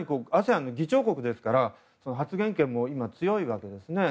ＡＳＥＡＮ議長国ですから発言権も強いわけです。